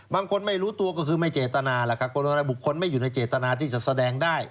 ไม่รู้ตัวก็คือไม่เจตนาล่ะครับบุคคลไม่อยู่ในเจตนาที่จะแสดงได้